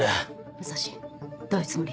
武蔵どういうつもり？